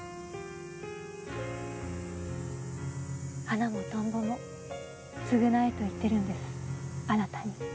花もトンボも償えと言ってるんですあなたに。